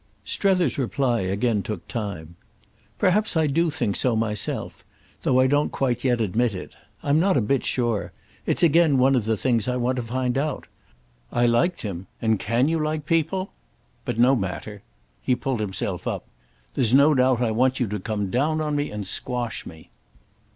Strether's reply again took time. "Perhaps I do think so myself—though I don't quite yet admit it. I'm not a bit sure—it's again one of the things I want to find out. I liked him, and can you like people—? But no matter." He pulled himself up. "There's no doubt I want you to come down on me and squash me."